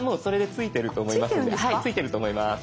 ついてると思います。